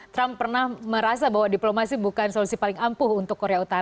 trump pernah merasa bahwa diplomasi bukan solusi paling ampuh untuk korea utara